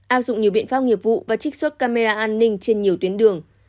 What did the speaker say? áp dụng nhiều biện pháp nghiệp vụ và trích xuất camera an ninh trên nhiều tuyến đường